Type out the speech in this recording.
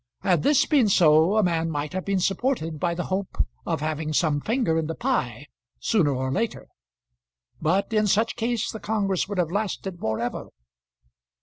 Had this been so, a man might have been supported by the hope of having some finger in the pie, sooner or later. But in such case the congress would have lasted for ever.